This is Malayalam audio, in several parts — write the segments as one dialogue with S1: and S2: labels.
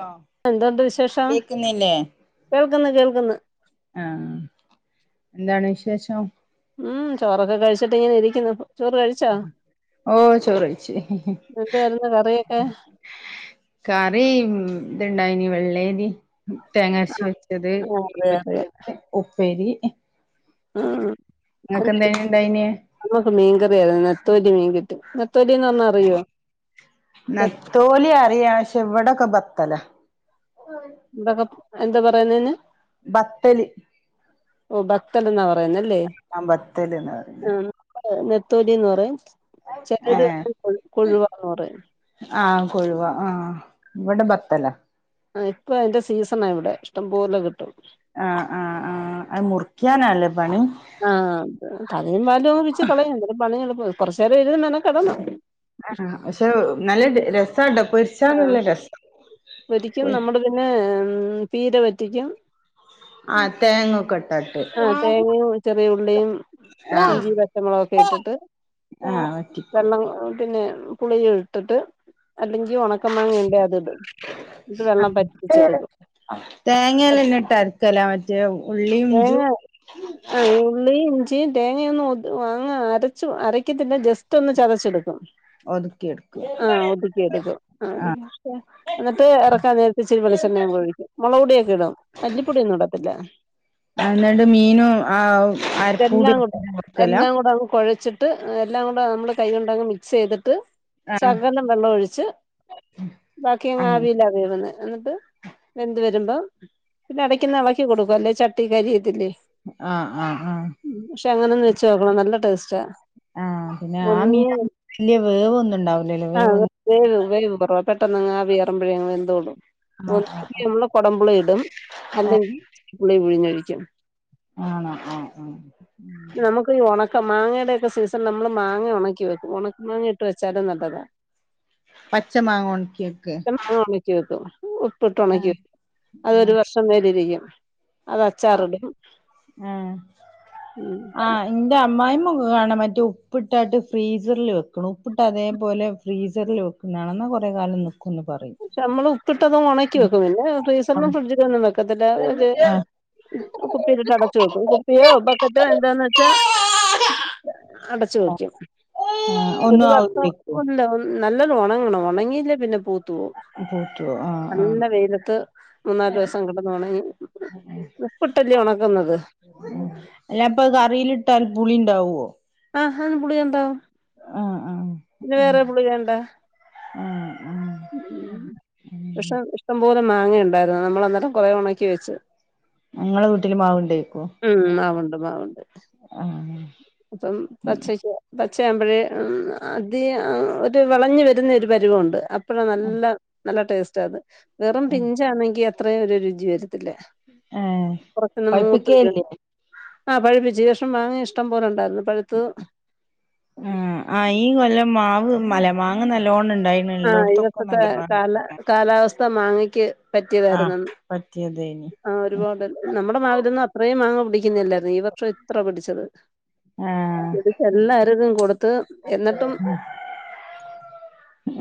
S1: ആ
S2: എന്തോണ്ട് വിശേഷം?
S1: കേക്കുന്നില്ലേ
S2: കേൾക്കുന്നു കേൾക്കുന്നു
S1: ആഹ് എന്താണ് വിശേഷം?
S2: ഉം ചോറൊക്കെ കഴിച്ചിട്ട് ഇങ്ങനെ ഇരിക്കുന്നു ചോറ് കഴിച്ചോ
S1: ഓഹ് ചോറ് കഴിച്ച്
S2: എന്തായിരുന്നു കറിയൊക്കെ
S1: കറി ഇത്ണ്ടായിനി വെള്ളേരി തേങ്ങാരച്ച് വെച്ചത്
S2: ആഹ് അറിയാം അറിയാം
S1: ഉപ്പേരി
S2: ആഹ്
S1: ഇങ്ങക്ക് എന്തേനി ഇണ്ടായിനെ
S2: ഞങ്ങക്ക് മീൻ കറി ആയിരുന്നു നത്തോലി മീൻ കിട്ടി നത്തോലീന്ന് പറഞ്ഞ അറിയോ
S1: നത്തോലി അറിയാം പക്ഷെ ഇവിടൊക്കെ ബത്തലാ
S2: എന്തൊക്കെ എന്താ പറയുന്നതിന്
S1: ബത്തല്
S2: ഓഹ് ബത്തല് എന്നാ പറയുന്നല്ലേ
S1: ആ ബത്തല്ന്ന് പറയുന്നെ
S2: ഉം നെത്തോലിന്ന് പറയും ചിലര്
S1: ഏഹ്
S2: കൊ കൊഴുവാന്ന് പറയും
S1: ആഹ് കൊഴുവ ആഹ് ഇവിടെ ബത്തല
S2: ആഹ് ഇപ്പൊ അതിന്റെ സീസണാ ഇവിടെ ഇഷ്ടംപോലെ കിട്ടും
S1: ആഹ് ആഹ് ആഹ് അത് മുറിക്ക്യാനല്ലേ പണി
S2: ആഹ് തലയും വാലും അങ്ങ് പിച്ചി കളയും എന്നാലും പണിഎളുപ്പമാ കൊറച്ച് നേരം ഇരുന്ന് മെനകെടണം
S1: ആഹ് പക്ഷെ നല്ല രസാട്ടോ പൊരിച്ചാ
S2: ആഹ്
S1: നല്ല രസം
S2: പൊരിക്കും
S1: പൊ
S2: നമ്മള് പിന്നെ ഉം പീര പറ്റിക്കും
S1: ആ തെങ്ങൊക്കെ
S2: ആഹ് തേങ്ങയും ചെറിയ ഉള്ളിയും ഇഞ്ചി പച്ചമുളകും ഒക്കെ ഇട്ടിട്ട്
S1: ആഹ് പറ്റി
S2: വെള്ളം ഏഹ് പിന്നെ പുളിയും ഇട്ടിട്ട് അല്ലെങ്കിൽ ഒണക്ക മാങ്ങ ഉണ്ടേ അത് ഇടും എന്നിട്ട് വെള്ളം പറ്റിച്ചെടുക്കും
S1: തേങ്ങെല്ലാം
S2: അപ്പൊ
S1: ഇന്നിട്ടരക്കലാ മറ്റേ ഉള്ളിയും ഇഞ്ചീം
S2: ആ ഉള്ളിയും ഇഞ്ചിയും തേങ്ങയൊന്നും ഒത് അങ്ങ് അരച്ചു അരക്കത്തില്ല ജസ്റ്റ് സ്റ്റൊന്ന് ചതച്ചെടുക്കും
S1: ഒതുക്കിയെടുക്കും
S2: ആഹ് ഒതുക്കി എടുക്കും ആ
S1: ആഹ്
S2: എന്നിട്ട് എറക്കാൻ നേരത്തിച്ചിരി വെളിച്ചെണ്ണയും കൂടെ ഒഴിയ്ക്കും മൊളക് പൊടിയൊക്കെ ഇടും മല്ലിപ്പൊടിയൊന്നും ഇടത്തില്ല
S1: അന്നിട്ട് മീനും ആഹ് അരപ്പൂടി
S2: ഇതെല്ലാം കൂടെ
S1: വെക്കലാ
S2: എല്ലാം കൂടങ്ങ് കൊഴച്ചി ട്ട് എല്ലാം കൂടെ നമ്മള് കൈ കൊണ്ടങ്ങ് മിക്സെയ്തിട്ട്
S1: ആഹ്
S2: ശകലം വെള്ളം ഒഴിച്ച് ബാക്കിയങ്ങ്
S1: അങ്ങ്
S2: ആവിയിലാ വേവുന്നെ എന്നിട്ട് വെന്ത് വരുമ്പോ പിന്നെ എടയ്ക്കൊന്ന് എളക്കി കൊടുക്കുവ അല്ലെ ച ട്ടി കരിയത്തില്ലേ
S1: ആഹ് ആഹ് ആഹ്
S2: ഉം പക്ഷെ അങ്ങനൊന്ന് വെച്ച് നോക്കണം നല്ല ടേസ്റ്റാ
S1: ആഹ് പിന്നെ ആഹ്
S2: ഒന്നീ
S1: മീനും വല്യ വേവൊന്നും ഇണ്ടാവൂലല്ലോ വെ
S2: വേവും വേവ് കൊറവ പെട്ടെന്നങ്ങു ആവി കേറുമ്പഴേ അങ്ങ് വെന്തോളും
S1: ആഹ് ആഹ്
S2: [unintelligible] കൊടംമ്പുളി ഇടും അല്ലെങ്കി പുളി പിഴിഞ്ഞൊഴിക്കും
S1: ആണോ ആഹ് ആഹ്
S2: നമ്മക്ക് ഈ ഒണക്ക മാങ്ങയുടെക്കെ സീസണ് നമ്മള് മാങ്ങ ഒണക്കി വെക്കും ഒണക്ക മാങ്ങ ഇട്ട് വെച്ചാലും നല്ലതാ
S1: പച്ച മാങ്ങ ഒൺക്കിയെക്കെ
S2: ക്കി വെക്കും ഉപ്പിട്ട് ഒണക്കി വെക്കും അതൊരു
S1: ആഹ്
S2: വർഷം വരെ ഇരിയ്ക്കും അതച്ചാറിടും
S1: ആഹ്
S2: ഉം
S1: ആഹ് ഇന്റെ അമ്മായിമ്മൊക്കെ കാണാ മറ്റേ ഉപ്പിട്ടാട്ട് ഫ്രീസറില് വെക്കണു ഉപ്പിട്ട് അതേപോലെ ഫ്രീസറില് വക്കുന്നാണ ന്ന കൊറേ കാലം നിക്കുന്ന് പറയും
S2: പക്ഷെ നമ്മള് ഉപ്പിട്ടതും ഒണക്കി
S1: ആഹ്
S2: വെക്കും പിന്നെ ഫ്രീസറിലും ഫ്രിഡ്ജിലൊന്നും വെക്കത്തില്ല ഒരു കുപ്പിയിലിട്ട് അടച്ചു വെക്കും കുപ്പിയോ ബക്കറ്റോ എന്താന്ന് വെച്ചാ അടച്ച് വെക്കും
S1: ഉം
S2: ഒരു വർഷം ഇല്ല നല്ലോണം ഒണങ്ങണം ഒണങ്ങിയില്ലേ പിന്നെ പൂത്തു പോവും
S1: പൂത്തുവോ ആഹ്
S2: നല്ല
S1: ആഹ്
S2: വെയിലത്ത് മൂന്നാല് ദിവസം കിടന്നൊണങ്ങി ഉപ്പിട്ടല്ല്യൊ ഒണക്കുന്നത്
S1: ഉം അല്ലപ്പത് കറിയിലിട്ടാൽ പുളി ഇണ്ടാവോ
S2: ആഹ് പുളിയുണ്ടാവും
S1: ആഹ് ആഹ്
S2: പിന്നെ വേറെ പുളി വേണ്ട
S1: ഉം ഉം
S2: ഉം പക്ഷെ ഇഷ്ടംപോലെ മാങ്ങയുണ്ടായിരുന്നു നമ്മൾ അന്നേരം കൊറേ ഒണക്കി വെച്ചു
S1: ഇങ്ങളെ വീട്ടില് മാവ്ണ്ടേക്കും ആഹ്
S2: ഇപ്പം പച്ചയ്ക്കാ പച്ചയാവുമ്പഴേ അധികം ഒരു വെളഞ്ഞു വരുന്ന ഒരു പരുവുണ്ട് അ അപ്പഴാ നല്ല നല്ല ടേസ്റ്റത് വെറും പിഞ്ചാണെങ്കി അത്രയൊരു രുചി വരത്തില്ല
S1: ഏഹ്
S2: പൊറത്ത്ന്ന് മൂത്ത് വരും
S1: പഴുപ്പിക്കേയില്ലേ
S2: ആഹ് പഴിപ്പിച്ച് ഈ വർഷം മാങ്ങയി ഇഷ്ട്ടം പോലെ ഉണ്ടായിരുന്നു പഴുത്തതും
S1: ഉം ആഹ് ഈ കൊല്ലം മാവ് മല്ല മാങ്ങ നല്ലോണം ഇണ്ടായിണ്
S2: ആ ഈ
S1: ഇള്ളോട്ത്തൊക്കെ
S2: വർഷത്തെ
S1: നല്ലോണണ്ടാ
S2: കാല കാലാവസ്ഥ മാങ്ങയ്ക്ക്
S1: ആഹ്
S2: പറ്റിയതായിരുന്നെന്ന്
S1: പറ്റിയതേനി
S2: ആഹ് ഒരുപാട് നമ്മടെ മാവിലൊന്നും അത്രയും മാങ്ങ പിടിയ്ക്കുന്നില്ലായിരുന്നു ഈ വർഷ ഇത്ര പിടിച്ചത്
S1: ആഹ്
S2: ഒടിച്ച് എല്ലാർക്കും കൊടുത്ത് എന്നിട്ടും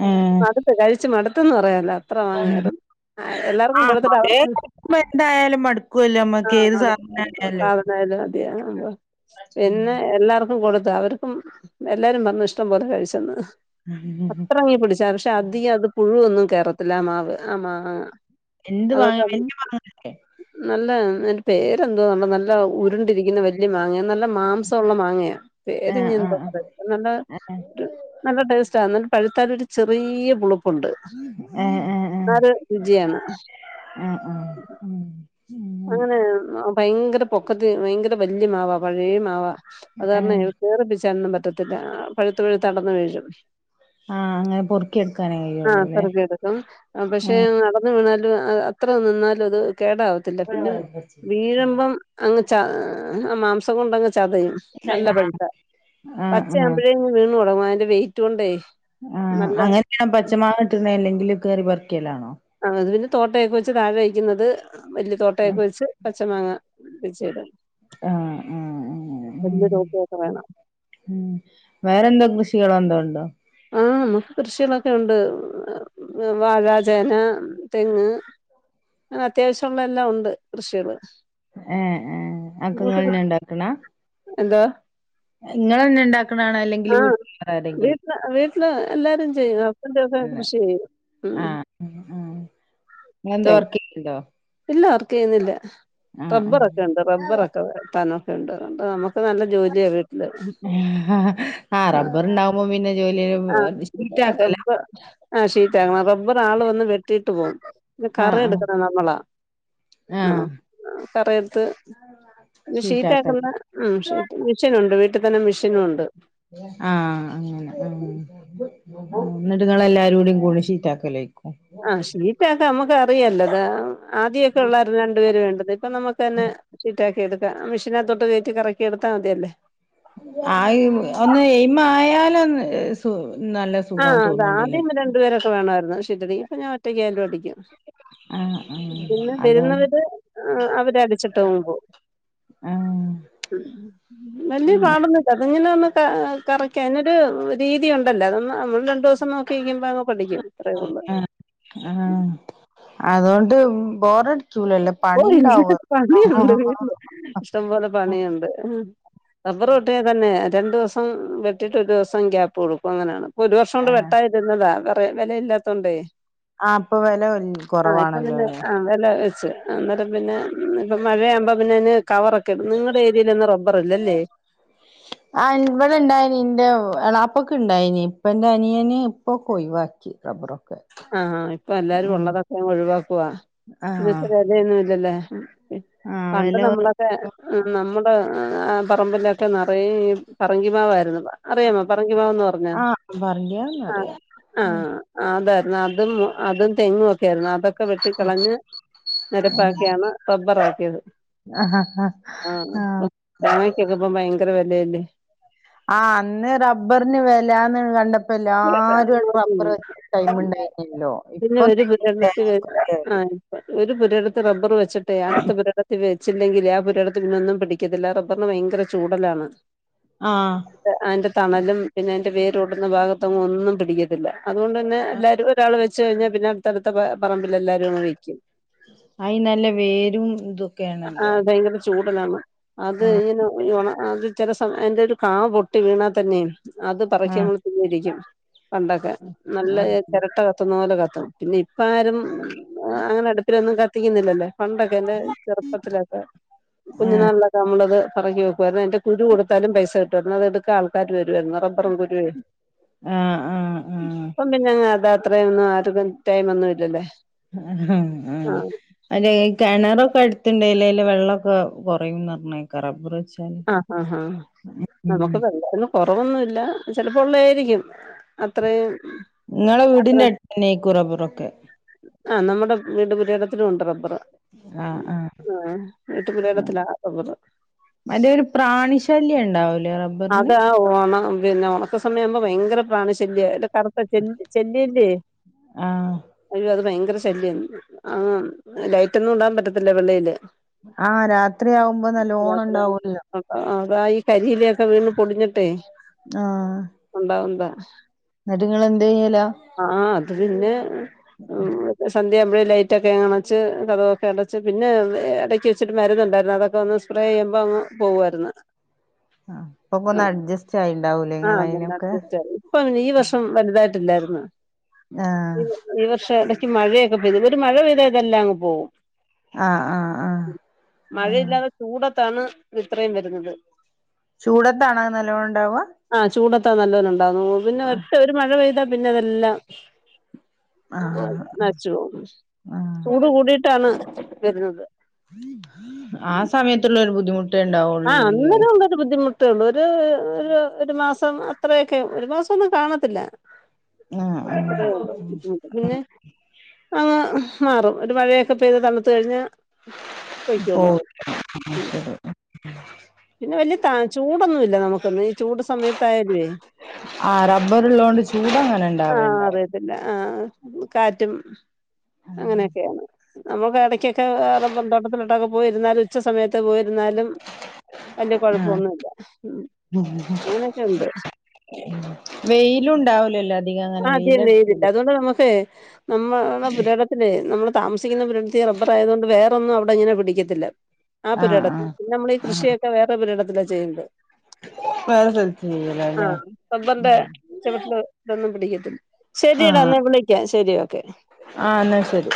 S2: ഏഹ് മട്ത്ത് കഴിച്ച് മട്ത്തെന്ന് പറയാലോ അത്ര മാങ്ങയായിരുന്നു ആഹ് എല്ലാർക്കും
S1: ആഹ്
S2: കൊടുത്തിട്ട്
S1: കൊറേ
S2: അവർക്കും
S1: കഴിക്കുമ്പോ എന്തായാലും മടുക്കുവല്ലോ നമ്മക്ക് ഏത്
S2: ആഹ് [unintelligible]
S1: സാധനായാലും
S2: സാധനായാലും [unintelligible] പിന്നെ എല്ലാർക്കും ക്കും കൊടുത്ത് അവർക്കും എല്ലാരും പറഞ്ഞു ഇഷ്ടം പോലെ കഴിച്ചെന്ന്
S1: ഉം
S2: ഇത്രങ്ങി പിടിച്ചാലും പക്ഷെ അധികത് പുഴുവൊന്നും കേറത്തില്ല ആഹ് മാവ് ആഹ് മാങ്ങ
S1: എന്ത് മാങ്ങ വല്യ മാങ്ങനല്ലേ
S2: നല്ലതാ അയിന്റെ പേരെന്തോണ്ട നല്ല ഉരുണ്ടിരിയ്ക്കുന്ന വല്യ മാങ്ങ നല്ല മാംസം ഉള്ള മാങ്ങയാ പേര്
S1: ആഹ്
S2: ഞെന്തോ
S1: ആഹ്
S2: പറ ന്നല്ല
S1: ആഹ്
S2: ട്ട് ടേസ്റ്റാ ന്നാലും പഴുത്താലൊര് ചെറിയ പുളുപ്പുണ്ട്
S1: ഏഹ് ഏഹ് ഏഹ്
S2: എന്നാല് രുചിയാണ്.
S1: ആഹ് ആഹ് ഉം
S2: അങ്ങനെ ഭയങ്കര പൊക്കത്ത് ഭയങ്കര വല്യ മാവ പഴെ മാവ അത് കാരണെ
S1: ഏഹ്
S2: കേറിപ്പിച്ചാനൊന്നും പറ്റത്തില്ല പഴുത്തു പഴുത്തടന്നു വീഴും.
S1: ആഹ് അങ്ങനെ പൊറുക്കി എടുക്കാനേ
S2: ആഹ്
S1: കഴിയുള്ളൂല്ലേ
S2: പെറ്ക്കി എട്ക്കും ഉം പക്ഷേ
S1: ആഹ്
S2: ന്നട ന്ന് വീണാലും അത്ര നിന്നാലും അത് കേടാവത്തില്ല.
S1: [unintelligible]
S2: പിന്നെ
S1: പർചെ
S2: വീഴുമ്പം അങ്ങ് ച്ചാ ആഹ് മാംസം കൊണ്ടങ്. ചതയും ന്നല്ല പഴുത്ത
S1: ആഹ് ആഹ്
S2: പച്ചയാവുമ്പോഴേങ് വീണ് തോടങ്ങും അതിന്റെ വെയ്റ്റ് കൊണ്ടേ.
S1: ആഹ്
S2: നല്ല
S1: അങ്ങനെയാ പച്ചമാങ്ങ ട്ട്ണെ അല്ലെങ്കില് കേറി പർക്കലാണോ?
S2: നങ്ങൾതെ പിന്നെ തോട്ടയൊക്കെ വെച്ച് താഴെ വെക്കുന്നത് വല്ല്യ തോട്ടയൊക്കെ
S1: ആഹ്
S2: വെച്ച്. പച്ച മാങ്ങ കുഴിച്ചിടും.
S1: ആഹ് ആഹ് ആഹ്
S2: തോട്ടയൊക്കെ വേണം
S1: ആഹ്. ഉം വേറെന്തോ കൃഷികള് എന്തോണ്ടോ?
S2: ആഹ് കൃഷികളൊക്കെ ഉണ്ട്. വാഴ, ചേന, തെങ്ങ്. അത്യാവ്ശ്യള്ള എല്ലാം ഉണ്ട് കൃഷികള്.
S1: ഏഹ് ഏഹ് അതൊക്ക ഇങ്ങളന്നെ ഇണ്ടാക്ക്ണ.
S2: എന്തോ
S1: ഇങ്ങളന്നെ ഇണ്ടാക്ക്ണാണോ അല്ലെങ്കില്
S2: ആ
S1: വീട്ട്ല് വേറെ ആരെങ്കിലും
S2: വീട്ടില് വീട്ടില് എല്ലാരും ചെയ്യും ആ ഇതൊക്കെ
S1: അല്ല
S2: കൃഷി ചെയ്യും ഉം
S1: ആഹ്
S2: ട്ടേയ്
S1: ഇണ്ടോ
S2: ഇല്ല വർക്ക് ചെയ്യുന്നില്ല
S1: ആഹ്
S2: റബ്ബറോക്കെണ്ട് റബ്ബറക് വെട്ടാനോക്കെണ്ട് അപ്പൊ അമ്മക്ക് നല്ല ജോലിയാ കിട്ട്
S1: ആഹ് റബ്ബർ ഉണ്ടാവുമ്പോ പിന്നെ ജോലില്
S2: ആ
S1: ഷീറ്റ്
S2: ആ,
S1: ആക്കലാ.
S2: റബ്ബർ ആഹ് ഷീറ്റാക്കണം റബ്ബർ ആൾ വന്ന് വെട്ടിറ്റ് പോവും പിന്നെ കറ
S1: ആഹ് ആഹ്
S2: എട്ക്കുന്നെ ന്നമ്മളാ. അ
S1: ആഹ്
S2: കറ എടുത്ത് ഇത്
S1: ഷീറ്റാക്കല്
S2: ഷീറ്റാക്കുന്ന ഉം മെഷി മെഷീനുണ്ട് വീട്ടിൽ തന്നെ മെഷീനുണ്ട്.
S1: ആഹ് അങ്ങനെ ആഹ്. ന്ന്ട്ട് ഇങ്ങളെല്ലാരുടി കൂടി ഷിറ്റാക്കലെക്കും.
S2: ആഹ് ഷീറ്റാക്ക അമ്മക്ക് അറിയല്ലോത ആദ്യക്കെള്ളായിരുന്നു രണ്ട് പേര് വേണ്ടത് ഇപ്പൊ ന്നമുക്ക് തന്നെ ഷിറ്റാക് ക്കിഎട്ക്കാ അ മെഷീനകത്തോട്ട് കെറ്റി കറക്കി എടുത്താ മതിയല്ലേ.
S1: ആയ് ഒന്ന് എയ്മായാലോന്ന് എഹ് സു ന്നല്ലെ
S2: ആഹ് അതാ ആദ്യം രണ്ട് പേരൊക്കെ വേണായ്ര്ന്നു ഷിറ്റടി ഇപ്പ ഞാൻ ഒറ്റയ്ക്ക് ആയാലും അടിക്കും.
S1: ആഹ് ആഹ്.
S2: പിന്നെ
S1: അതോണ്ട്
S2: വെരുന്നവര് അവര് അടിച്ചിട്ടങ് പോവും.
S1: ആഹ്.
S2: ഉം. വല്ല്യ പാടോന്ന്ല്ല അത്ങ്ങനെ ഒന്ന് കറക്ക അയ്നൊര് രീതി ഉണ്ടല്ലോ അതൊന്ന്. അമ്മള് രണ്ടോസം ന്നോക്കി ഇര്ക്കുമ്പോ അങ് പഠിക്കുംത്രേ ഒള്ള്.
S1: ആഹ് ആഹ് അതൊണ്ട് ബോറട്ക്കൂലല്ലോ.
S2: ഓ ഇൻഷുട്ട് പണിയുണ്ട് വീട്ടല് ഇഷ്ടം പോലെ പണിയുണ്ട്. റബറ് വെട്ട്യാ തന്നെ രണ്ടുസം വെട്ടിറ്റ് ഒരു ദിവസം ഗ്യയാപ്പ് കൊട്ക്കും അങ്ങനെണ്. ഒര് വർഷോകൊണ്ട് വെട്ടാൻ ഇര്ന്നതാ വേറെ വെലയില്ലാത്തോണ്ടേ.
S1: ആഹ് ഇപ്പൊ വെല
S2: ആഹ് ഇപ്പൊ പിന്നെ
S1: കൊറവാണല്ലോല്ലേ
S2: ആഹ് വെല വെച്ച്. ആഹ് ന്ന്ട്ട് പിന്നെ ഇപ്പ മഴയാവുമ്പോ പിന്നെ അയ്ന് കവറക്കെ ഇടും നിങ്ങടെ ഏരിയയിലന്നും റബ്ബറ് ഇല്ലല്ലെ.
S1: ആഹ് ഇവിടെ ഇണ്ടായിന് എന്റെ എളാപ്പക്ക് ഇണ്ടായിന് ഇപ്പന്റെ അനിയന് ഇപ്പൊക്കെ ഒഴിവാക്കി റബറോ
S2: ആ ഇപ്പൊ എല്ലാരും ഉള്ളതൊക്കെ അങ്ങ് ഒഴിവാക്കുവാ എന്നു
S1: ആഹ്
S2: വച്ചാ വെലയൊന്നും ഇല്ലല്ലോ
S1: ആഹ്
S2: പണ്ട്
S1: വെല
S2: നമ്മള് ക്കെ നമ്മുടെ ആ പറമ്പിലൊക്കെ നിറയേ ഈ പറങ്കിമാവായിരുന്നു അറിയാമോ പറങ്കിമാവെന്ന് പറഞ്ഞാ
S1: ആഹ്
S2: ആഹ്
S1: പറഞ്ഞാന്നറിയാം
S2: ആഹ് ആഹ് അതെ ന്ന അതും അതും തെങ്ങും ഒക്കെ ആയിരുന്നു അതൊക്കെ വെട്ടി കളഞ്ഞ് നിരപ്പാക്കിയാണ് റബ്ബറാക്കിയത് ആഹ് തേങ്ങായികൊക്കെ ഇപ്പം ഭയങ്കര വിലയില്ലേ
S1: ആഹ് അന്ന് റബ്ബറിന് വെലാന്ന് കണ്ടപ്പം പ്പം എല്ലാരും ഇപ്പം അപ്പുറം ടൈമുണ്ടായിരുന്നില്ലല്ലോ
S2: പിന്നെ
S1: ഇപ്പൊ
S2: ഒരു പുരടത്തി ആഹ് ഒരു പുരയിടത്ത് റബ്ബർ വെച്ചിട്ടേ അടുത്ത പുരയിടത്തിൽ വെ ച്ചില്ലെങ്കിലേ ആ പുരയിടത്ത് പിന്നൊന്നും പിടിക്കത്തില്ല ആ റബ്ബറിന് ഭയങ്കര ചൂടലാണ്
S1: ആഹ്
S2: അതിന്റെ തണലും പിന്നെ അതിന്റെ വേര് ഓടുന്ന ഭാഗത്തൊങ്ങും ഒന്നും പിടിക്ക ത്തില്ല. അതോണ്ടന്നെ എല്ലാരും ഒരാൾ വെച്ച് കഴിഞ്ഞാ പിന്നെ അടുത്തടുത്ത പ പറമ്പിൽ എല്ലാരും അങ്ങ് വെക്കും
S1: അയിന് നല്ല വേരും
S2: ആ
S1: ഇതൊക്കെയാണല്ലോ
S2: ഭയങ്കര ചൂടലാണ് അത്
S1: ആഹ്
S2: ഇ ഈ ഉണ ചെല സമയം അതിന്റെ ഒരു കാ പൊട്ടി വീണാ തന്നേ അത് പറക്കി
S1: ആഹ്
S2: നമ്മൾ തീയരിക്കും പണ്ടൊക്കെ നല്ല
S1: ആഹ്
S2: ചിരട്ട ക ത്തുന്ന പോലെ കത്തും പിന്നെ ഇപ്പാരും അങ്ങനെ അടുപ്പിലൊന്നും കത്തിക്കുന്നില്ലല്ലോ പണ്ടൊക്കെ എന്റെ ചെറുപ്പത്തിലൊക്കെ കുഞ്ഞുനാളിലൊക്കെ നമ്മളിത് പറക്കി വെക്കുവായിരുന്നു അതിന്റെ കുരു കൊടുത്താലും പൈസ കിട്ടുവായിരുന്നു. അത് എടുക്കാൻ ആൾക്കാര് വരുവായിരുന്നു റബ്ബറും കുരുവേ
S1: ആഹ് ആഹ് ആഹ്
S2: ഇപ്പം പിന്നെ അങ്ങ് അത് അത്രയൊന്നും ആരുക്കും ടൈം ഒന്നും ഇല്ലല്ലോ
S1: ഉം അയ്ലെ ഈ കിണറൊക്കെ അടുത്തുണ്ടേല് അയില് വെള്ളോക്കെ കുറയൂന്ന് പറഞ്ഞെ റബ്ബറ് വെച്ചാല്
S2: ആഹ ആഹ ആഹ
S1: ഉം
S2: നമുക്ക് [unintelligible] കുറവൊന്നുമില്ല ചിലപ്പോ ഉള്ളയായിരിക്കും അത്രയും
S1: നിങ്ങളെ വീടിന്റെ അടുത്ത്ന്നെ യിരിക്കു റബ്ബറൊക്കെ
S2: ആഹ നമ്മടെ വീട് പുരയിടത്തിലും ഉണ്ട് റബ്ബർ
S1: ആഹ് ആഹ്
S2: ആ വീട്ട്
S1: ആഹ്
S2: പുരയിടത്തിലാ റബ്ബർ
S1: മറ്റേ ഒരു പ്രാണി ശല്യം ഉണ്ടാവൂലേ റബ്ബറിന്
S2: ആഹ ഒണ പിന്നെ ഒണക്കസമയാവുമ്പോ ഭയങ്കര പ്രാണി ശല്യാ ഇല്ല കറുത്ത ചെ ചെല്ലിയില്ലേ
S1: ആഹ
S2: അയ്യോ അത് ഭയങ്കര ശല്യാണ്ആഹ ലൈറ്റൊന്നും ഇടാൻ പറ്റത്തില്ല വെളിയില്
S1: ആ ഹ രാത്രിയാവുമ്പോ നല്ലോണം ഉണ്ടാവൂല്ലോ
S2: ആ അതാ ഈ കരിയിലയൊക്കെ വീണ് പൊടിഞ്ഞിട്ടേ
S1: ആഹ
S2: ഉണ്ടാവുന്താ
S1: എന്നിട്ട് നിങ്ങള് എന്തു യ്യലാ
S2: ആഹ അത് പിന്നെ സന്ധ്യയാവുമ്പോഴേ ലൈറ്റൊക്കെ അണച്ച് കതൊവൊക്കെ അടച്ച് പിന്നെ ഇടക്ക് ഇച്ചിരി മരുന്നുണ്ടായിരുന്നു അതൊക്കെ ഒന്ന് സ്പ്രേ ചെയ്യുമ്പോൾ അങ്ങ് പോവായിരുന്നു
S1: ആപ്പൊക്കെ ഒന്ന് അഡ്ജസ്റ്റ് ആയിട്ടുണ്ടാവൂലേ
S2: ആഹ ഒന്ന് അഡ്ജസ്റ്റായി. ഇപ്പം ഈ വർഷം വലുതായിട്ടില്ലായിരുന്നു
S1: ആഹ്
S2: ഈ വർഷം ഇടക്ക് മഴയൊക്കെ പെയ്തു ഒരു മഴ പെയ്താ ഇതെല്ലാം അങ്ങ് പോകും
S1: ആ ഹആ ഹആഹ
S2: മഴയില്ലാതെ ചൂടത്താണ് ഇത്രയും വരുന്നത്
S1: ചൂടത്താണോ അത് നല്ലോണം ഉണ്ടാവ
S2: ആഹ് ചൂടത്താ നല്ലോലെ ഉണ്ടാവുന്ന പിന്നെ ഒറ്റ ഒരു മഴ പെയ്താ പിന്നെ അതെല്ലാം
S1: ആഹ് ആഹ്
S2: നശിച്ചു പോകും ചൂട്
S1: ആഹ്
S2: കൂടിയിട്ടാണ് വരുന്നത്
S1: ആ സമയത്തുള്ളരു ബുദ്ധിമു
S2: ആഹ് അന്നൊരു മുൻമ്പ് ബുദ്ധിമുട്ടള്ളൂ ഒരു ഒരു ഒരു മാസം അത്രയൊക്കെ ഒരു മാസം ഒന്നും കാണത്തില്ല
S1: ആഹ് ആഹ്
S2: അത്രയുള്ളൂ പിന്നെ അങ്ങ് മാറും ഒരു മഴയൊക്കെ പെയ്ത് തണ്ത്തു കഴിഞ്ഞാ പൊയ്ക്കോളും
S1: ഓക്കേ എന്നാ
S2: ഉം
S1: ശരി എന്നാ
S2: പിന്നെ വലിയ ത ചൂടൊന്നും ഇല്ല നമുക്കൊന്നും ഈ ചൂട് സമയത്തയെല്‌വേ
S1: ആ റബ്ബറുള്ളോണ്ട് ചൂട് അങ്ങനെ
S2: ആഹ്
S1: ഇണ്ടാവേണ്ട
S2: അതെ ആഹ് ആഹ് കാറ്റും അങ്ങനെയൊക്കെയാണ് നമ്മുക്ക് ഇടക്കൊക്കെ റബ്ബർ ന്തോട്ടത്തിലിട്ടൊക്കെ പോയിരുന്നാലും ഉച്ച സമയത്ത് പോയിരുന്നാലും വല്യ
S1: ആ
S2: കൊഴപ്പൊന്നുല്ല ഉം അങ്ങനൊക്കെണ്ട്
S1: വെയില് ഉണ്ടാവലില്ലല്ലോ
S2: ആഹ് അധികം വെയിലില്ല അതുകൊണ്ട് നമുക്ക് നമ്മള പുരാട്ത്തിലെ നമ്മ താമസിക്കുന്ന പുരടത്തി റബ്ബർ ആയത് കൊണ്ട് വേറെന്നും അവിടെ ഇങ്ങനെ പിടിക്കത്തില്ല ആ പുരിടത്തിൽ പിന്നെ നമ്മൾ ഈ കൃഷിയൊക്കെ വേറെ പുരിയിടത്തിലേ ചെയ്യണ്ട്
S1: വേറെ സ്ഥലത്ത് ചെയ്യലാല്ലേ
S2: ആഹ് റബ്ബറിൻ്റെ ചോവ ട്ടില് ഇത് ഒന്നും പിടിക്കത്തില്ല ശരിടാ എന്ന വിളിക്കാം ശരി ഒക്കെ
S1: ആഹ് എന്നാ ശരി